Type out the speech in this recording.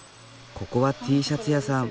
ここはＴシャツ屋さん。